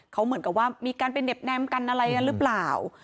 เขาเหมือนกับว่ามีการไปเห็บแนมกันอะไรกันหรือเปล่า